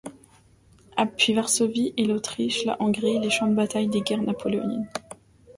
Puis Varsovie et l’Autriche, la Hongrie, les champs de bataille des guerres napoléoniennes.